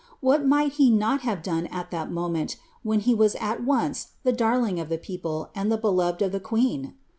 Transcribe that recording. What might he not have done at that moment, when he was at once the darling of the people and the beloved of the queen